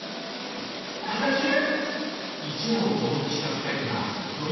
朝チュン！